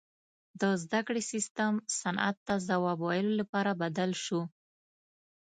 • د زدهکړې سیستم صنعت ته ځواب ویلو لپاره بدل شو.